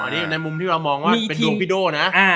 นี่ในมุมที่เรามองว่าเป็นดวงพี่โด่นะ